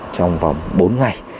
trong vòng bốn ngày